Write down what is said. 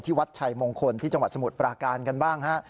วัดชัยมงคลที่จังหวัดสมุทรปราการกันบ้างฮะ